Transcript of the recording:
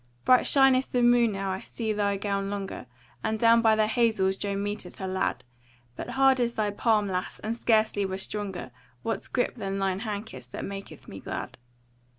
Bright shineth the moon now, I see thy gown longer; And down by the hazels Joan meeteth her lad: But hard is thy palm, lass, and scarcely were stronger Wat's grip than thine hand kiss that maketh me glad.